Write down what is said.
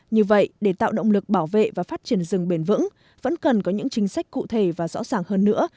như vậy để tạo động lực bảo vệ và phát triển rừng bền vững vẫn cần có những chính sách cụ thể và rõ ràng hơn nữa